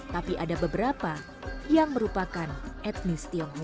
tapi ada beberapa yang merupakan etnis tionghoa